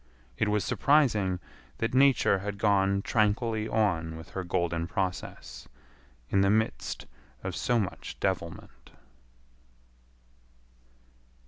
It was surprising that Nature had gone tranquilly on with her golden process in the midst of so much devilment.